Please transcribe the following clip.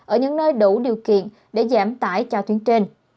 ở những nơi đủ điều kiện để giảm tải cho tuyến trên